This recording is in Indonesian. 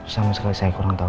sama sekali saya kurang tahu